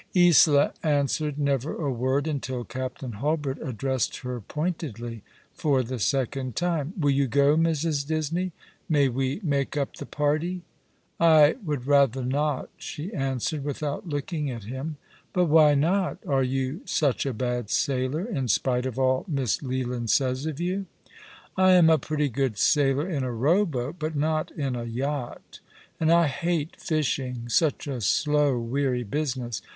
Tsola answered never a word, until Captain Hulbert addressed her pointedly for the second time. " Will you go, Mrs. Disney — may we make up the party ?"" I would rather not," she answered, without looking at him. " But why not ? Arc you such a bad sailor—in spite of all Miss Leland says of you ?"" I am a pretty good sailor in a row boat — but not in a yacht. And I hate fishing— such a slow weary business.